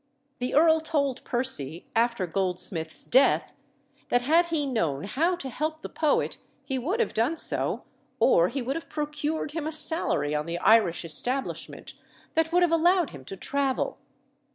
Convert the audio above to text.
The earl told Percy, after Goldsmith's death, that had he known how to help the poet he would have done so, or he would have procured him a salary on the Irish establishment that would have allowed him to travel.